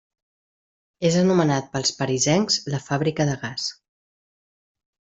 És anomenat pels parisencs La fàbrica de gas.